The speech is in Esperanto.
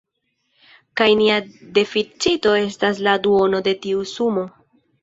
Kaj nia deficito estas la duono de tiu sumo.